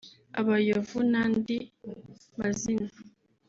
“abayovu” n’andi mazina